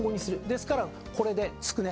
ですからこれで捏ね。